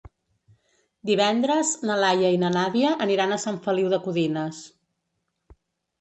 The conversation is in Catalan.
Divendres na Laia i na Nàdia aniran a Sant Feliu de Codines.